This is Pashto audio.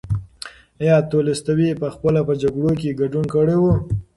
ایا تولستوی پخپله په جګړو کې ګډون کړی و؟